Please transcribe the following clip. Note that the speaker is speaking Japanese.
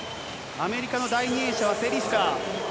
アメリカの第２泳者はセリスカー。